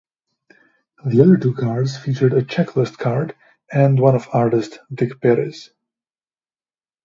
The other two cards featured a checklist card and one of artist Dick Perez.